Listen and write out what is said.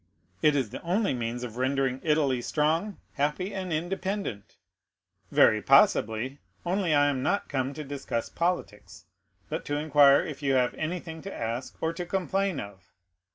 "It is the only means of rendering Italy strong, happy, and independent." "Very possibly; only I am not come to discuss politics, but to inquire if you have anything to ask or to complain of."